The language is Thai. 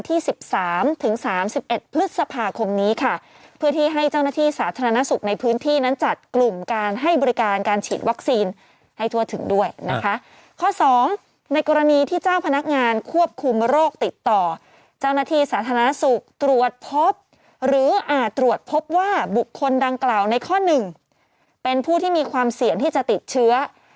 สิบสามถึงสามสิบเอ็ดพฤษภาคมนี้ค่ะเพื่อที่ให้เจ้าหน้าที่สาธารณสุขในพื้นที่นั้นจัดกลุ่มการให้บริการการฉีดวัคซีนให้ทั่วถึงด้วยนะคะข้อสองในกรณีที่เจ้าพนักงานควบคุมโรคติดต่อเจ้าหน้าที่สาธารณสุขตรวจพบหรืออาจตรวจพบว่าบุคคลดังกล่าวในข้อหนึ่งเป็นผู้ที่มีความเสี่ยงที่จะติดเชื้อ